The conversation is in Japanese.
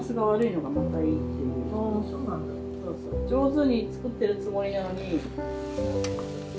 上手に作ってるつもりなのに。